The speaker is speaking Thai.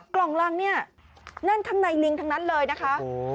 กล่องรังเนี่ยนั่นข้างในลิงทั้งนั้นเลยนะคะ